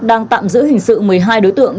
đang tạm giữ hình sự một mươi hai đối tượng